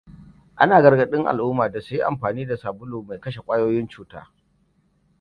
Ana gargadin al’umma da su yi amfani da sabulu mai kashe kwayoyin cuta.